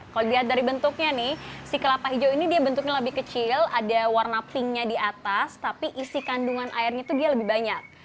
kalau dilihat dari bentuknya nih si kelapa hijau ini dia bentuknya lebih kecil ada warna pinknya di atas tapi isi kandungan airnya itu dia lebih banyak